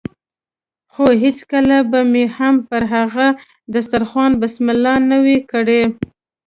خو هېڅکله به مې هم پر هغه دسترخوان بسم الله نه وي کړې.